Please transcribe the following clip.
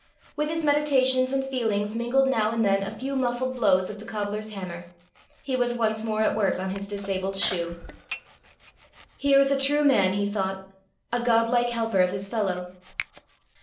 With his meditations and feelings mingled now and then a few muffled blows of the cobbler's hammer: he was once more at work on his disabled shoe. "Here is a true man!" he thought, " a Godlike helper of his fellow!"